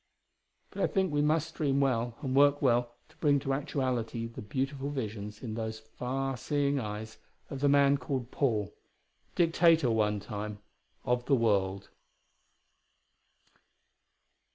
But I think we must dream well and work well to bring to actuality the beautiful visions in those far seeing eyes of the man called Paul Dictator, one time, of the whole world.